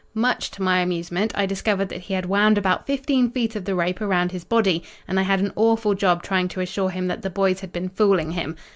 Much to my amusement, I discovered that he had wound about fifteen feet of the rope around his body and I had an awful job trying to assure him that the boys had been fooling him.